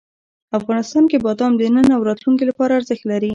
افغانستان کې بادام د نن او راتلونکي لپاره ارزښت لري.